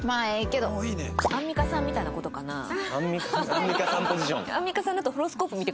アンミカさんポジション？